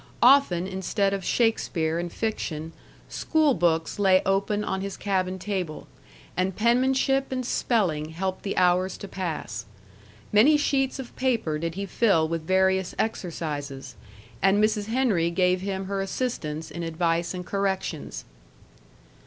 Often, instead of Shakespeare and fiction, school books lay open on his cabin table; and penmanship and spelling helped the hours to pass. Many sheets of paper did he fill with various exercises, and Mrs. Henry gave him her assistance in advice and corrections.